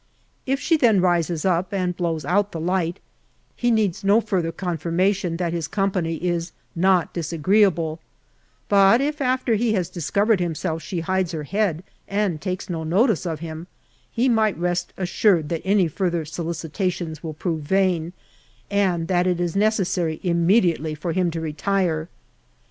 If she then rises up, and blows out the light, he needs no further confirmation that his company is not disagreeable; but if after he has discovered himself she hides her head, and takes no notice of him, he might rest assured that any further solicitations will prove vain, and that it is necessary immediately for him to retire.